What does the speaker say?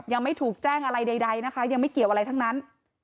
ยังไม่ถูกแจ้งอะไรใดนะคะยังไม่เกี่ยวอะไรทั้งนั้น